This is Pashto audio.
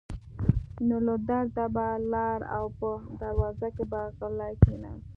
نو له درده به لاړ او په دروازه کې به غلی کېناست.